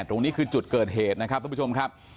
ตรงนี้คือจุดเกิดเหตุนะครับทุกผู้ชมครับ